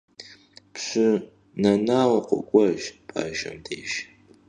Пщы Нэнау къокӀуэж Бажэм деж.